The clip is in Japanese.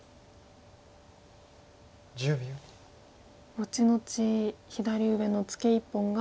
後々左上のツケ１本が。